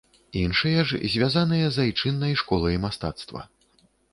Іншыя ж звязаныя з айчыннай школай мастацтва.